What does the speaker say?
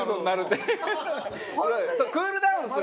クールダウンする。